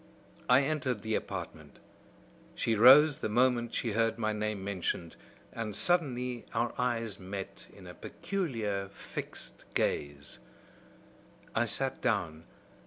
"I entered the apartment. She rose the moment she heard my name mentioned; and suddenly our eyes met in a peculiar fixed gaze. "I sat down.